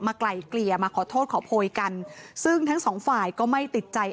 ไกลเกลี่ยมาขอโทษขอโพยกันซึ่งทั้งสองฝ่ายก็ไม่ติดใจ